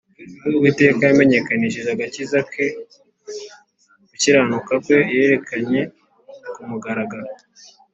Uwiteka yamenyekanishije agakiza ke gukiranuka kwe yakwerekanye ku mugaragaro